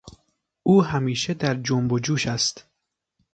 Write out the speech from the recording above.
او همیشه در جنب و جوش است.